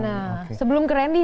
nah sebelum ke randy